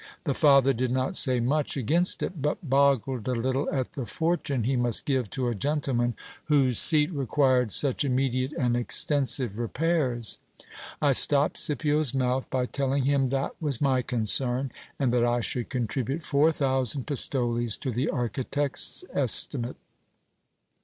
The father did not say much against it ; but boggled a little at the fortune he must give to a gentleman whose feat required such immediate and extensive repairs. I stopped Scipio's mouth by telling him that was my concern, and that I should contribute four thousand pistoles to the architect's estimate.